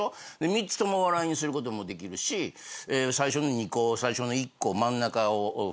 ３つとも笑いにすることもできるし最初の２個最初の１個真ん中を振りに使ったりとか。